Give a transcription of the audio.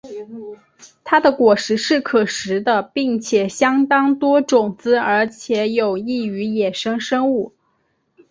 它的果实是可食的并且相当多种子而且有益于野生生物。